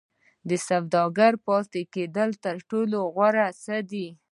او سوداګرۍ پاتې کېدل تر ټولو غوره څه دي.